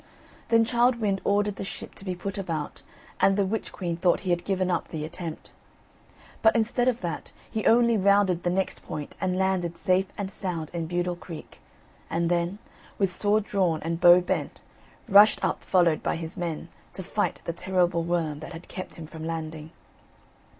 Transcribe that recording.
Then Childe Wynd ordered the ship to be put about, and the witch queen thought he had given up the attempt. But instead of that, he only rounded the next point and landed safe and sound in Budle Creek, and then, with sword drawn and bow bent, rushed up followed by his men, to fight the terrible Worm that had kept him from landing.